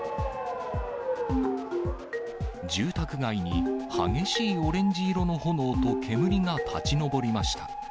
住宅街に激しいオレンジ色の炎と煙が立ち上りました。